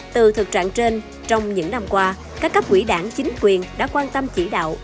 từ thực trạng trên trong những năm qua các cấp quỹ đảng chính quyền đã quan tâm chỉ đạo